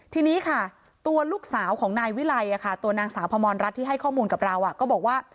ทีนี้ค่ะตัวลูกสาวของนายวิไลตัวนางสาวพมรรัฐที่ให้ข้อมูลกับเราก็บอกว่า